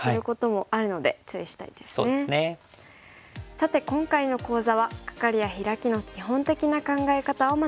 さて今回の講座はカカリやヒラキの基本的な考え方を学びました。